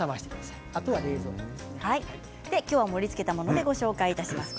今日は盛りつけたものでご紹介します。